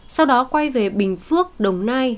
sau đó quay về bình phước đồng nai